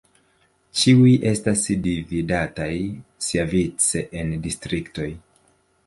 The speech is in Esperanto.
Ĉiuj estas dividataj siavice en distriktoj.